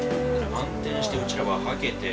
暗転してうちらははけて。